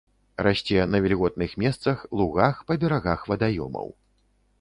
Расце на вільготных месцах, лугах, па берагах вадаёмаў.